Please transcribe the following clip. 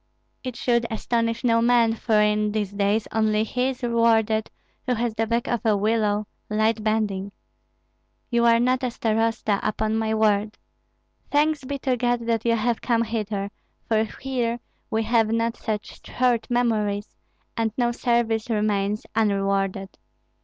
It should astonish no man; for in these days only he is rewarded who has the back of a willow, light bending. You are not a starosta, upon my word! Thanks be to God that you have come hither, for here we have not such short memories, and no service remains unrewarded.